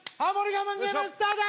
我慢ゲームスタート！